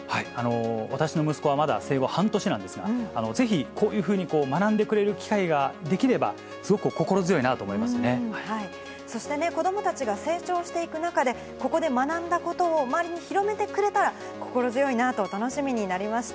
私の息子はまだ生後半年なんですが、ぜひこういうふうに学んでくれる機会ができれば、すごく心強いなそして子どもたちが成長していく中で、ここで学んだことを周りに広めてくれたら心強いなと、楽しみになりました。